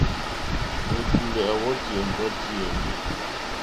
Ɛ̀tùlɛ̀ à wɔ́tì ɛ̀mbɔ́tí yèní.